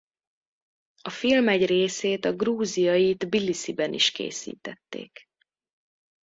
A film egy részét a Grúziai Tbilisziben is készítették.